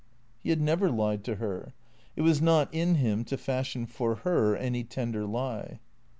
He had never lied to her. It was not in him to fashion for her any tender lie.